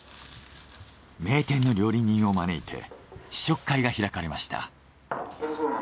名店の料理人を招いて試食会が開かれました。